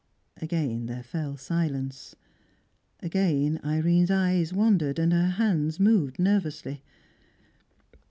Again there fell silence. Again Irene's eyes wandered, and her hands moved nervously.